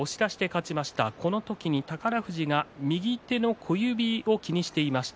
宝富士が右手の小指を気にしていました。